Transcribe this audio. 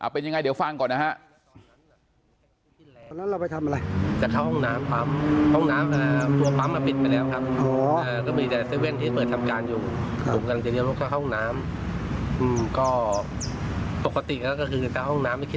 เป็นยังไงเดี๋ยวฟังก่อนนะฮะ